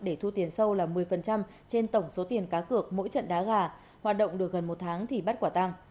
để thu tiền sâu là một mươi trên tổng số tiền cá cược mỗi trận đá gà hoạt động được gần một tháng thì bắt quả tăng